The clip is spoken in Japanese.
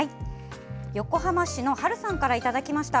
横浜市のＨａｌさんからいただきました。